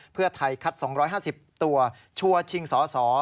เพื่อไทยคัด๒๕๐ตัวชัวร์ชิงสส